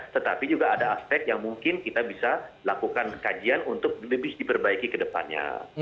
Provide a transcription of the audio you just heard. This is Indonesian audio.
tetapi juga ada aspek yang mungkin kita bisa lakukan kajian untuk lebih diperbaiki ke depannya